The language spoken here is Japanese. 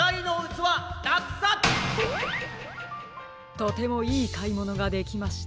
とてもいいかいものができました。